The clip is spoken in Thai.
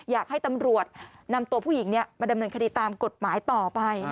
อยากให้ตำรวจนำตัวผู้หญิงมาดำเนินคดีตามกฎหมายต่อไป